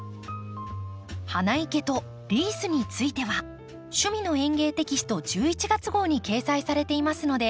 花生けとリースについては「趣味の園芸」テキスト１１月号に掲載されていますので